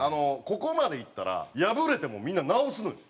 ここまでいったら破れてもみんな直すのよ。